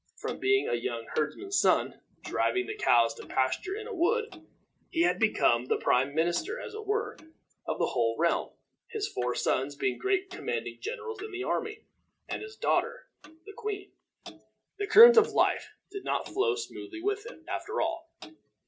From being a young herdsman's son, driving the cows to pasture in a wood, he had become the prime minister, as it were, of the whole realm, his four sons being great commanding generals in the army, and his daughter the queen. The current of life did not flow smoothly with him, after all.